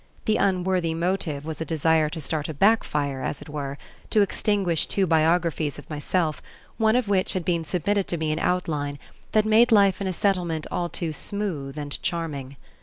The unworthy motive was a desire to start a "backfire," as it were, to extinquish two biographies of myself, one of which had been submitted to me in outline, that made life in a Settlement all too smooth and charming.